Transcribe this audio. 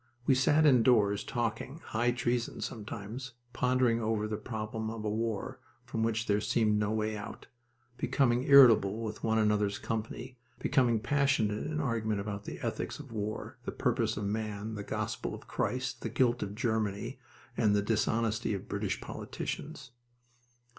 We sat indoors talking high treason sometimes pondering over the problem of a war from which there seemed no way out, becoming irritable with one another's company, becoming passionate in argument about the ethics of war, the purpose of man, the gospel of Christ, the guilt of Germany, and the dishonesty of British politicians.